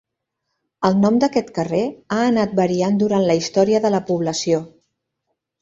El nom d'aquest carrer ha anat variant durant la història de la població.